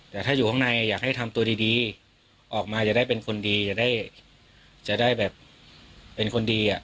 แต่ถ้าอยู่ข้างในอยากให้ทำตัวดีออกมาจะได้เป็นคนดี